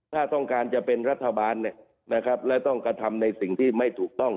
ถ้าต้องการจะเป็นรัฐบาลและต้องกระทำในสิ่งที่ไม่ถูกต้อง